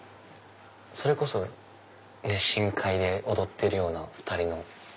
それこそ深海で踊ってるような２人の。